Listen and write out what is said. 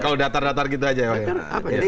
kalau datar datar gitu aja ya